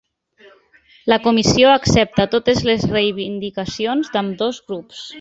La Comissió accepta totes les reivindicacions d'ambdós grups.